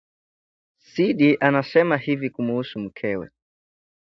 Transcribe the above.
Sidi anasema hivi kumhusu mkewe